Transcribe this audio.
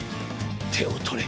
手を取れ。